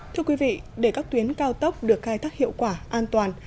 thưa quý vị để các tuyến cao tốc được khai thác hiệu quả an toàn